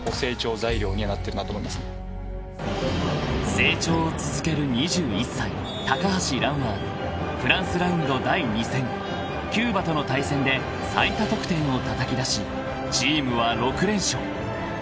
［成長を続ける２１歳橋藍はフランスラウンド第２戦キューバとの対戦で最多得点をたたき出しチームは６連勝］